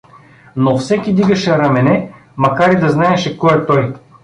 Но всеки дигаше рамене, макар и да знаеше кой е той.